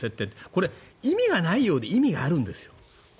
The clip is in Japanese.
これ、意味がないようで意味があるんです。